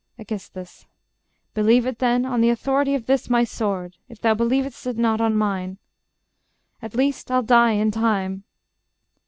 Aegis. Believe it, then, On the authority of this my sword, If thou believ'st it not on mine. At least I'll die in time...